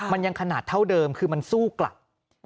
มันยังขนาดเท่าเดิมคือมันสู้กลับ